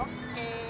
ada kue kelembek